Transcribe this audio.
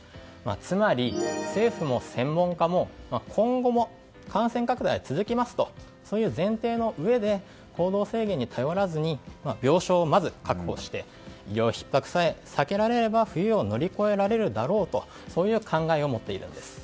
つまり、政府も専門家も今後も感染拡大は続きますという前提のうえで行動制限に頼らずに病床を確保して医療ひっ迫さえ避けられれば冬を乗り越えられるだろうという考えを持っているんです。